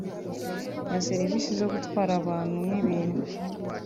na serivisi zo gutwara abantu n’ibintu”